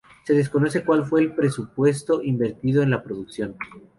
Se desconoce cual fue el presupuesto invertido en la producción.